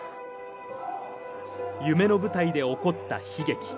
夢の舞台で起こった悲劇。